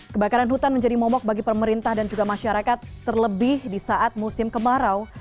kebakaran hutan menjadi momok bagi pemerintah dan juga masyarakat terlebih di saat musim kemarau